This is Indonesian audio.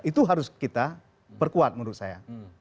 itu harus kita perkuat menurut saya